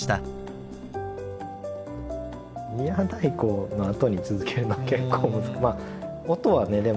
「宮太鼓」のあとに続けるのは結構。